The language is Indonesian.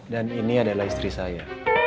dan ini adalah istri saya